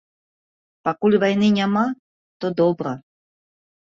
Пакуль вайны няма, то добра.